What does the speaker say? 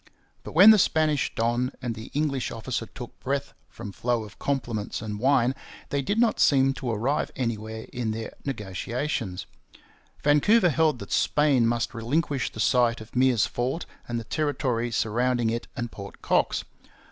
But when the Spanish don and the English officer took breath from flow of compliments and wine, they did not seem to arrive anywhere in their negotiations. Vancouver held that Spain must relinquish the site of Meares's fort and the territory surrounding it and Port Cox.